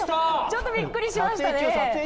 ちょっとびっくりしましたね。